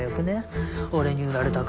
俺に売られたか。